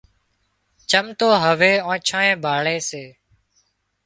چم تو هوَي آنڇانئي ڀاۯي سي